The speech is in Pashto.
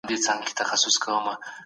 خپل کارونه به په رښتینې مینه ترسره کوئ.